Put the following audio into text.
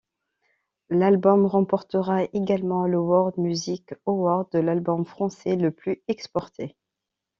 L'album remportera également le World Music Award de l'album français le plus exporté.